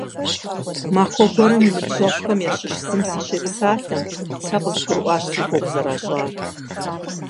Махуэ гуэрым и ныбжьэгъухэм ящыщ зым сыщепсалъэм, сэ къызгурыӀуащ си гугъу зэращӀар.